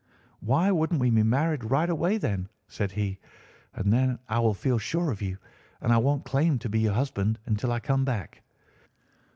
'Why shouldn't we be married right away, then,' said he, 'and then I will feel sure of you; and I won't claim to be your husband until I come back?